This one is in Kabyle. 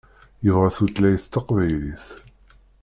Yebɣa tutlayt taqbaylit.